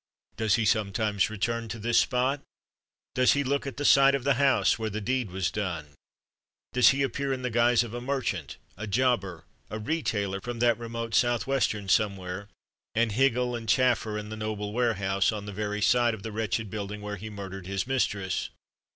Does he sometimes return to this spot? Does he look at the site of the house where the deed was done? Does he appear in the guise of a merchant, a jobber, a retailer from that remote southwestern somewhere, and higgle and chaffer in the noble warehouse on the very site of the wretched building where he murdered his mistress?